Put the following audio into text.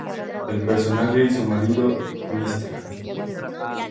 El personaje y su marido, Mr.